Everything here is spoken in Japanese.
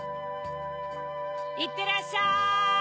いってらっしゃい！